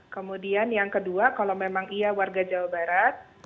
kemudian yang kedua kalau memang iya warga jawa barat